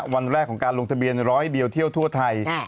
วันแรกของการลงทะเบียนร้อยเดียวเที่ยวทั่วไทย